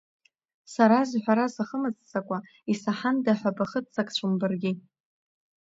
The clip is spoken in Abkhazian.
Сара зҳәара сахымыццакуа исаҳанда ҳәа бахыццакцәом баргьы.